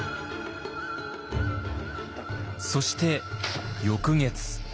そして翌月。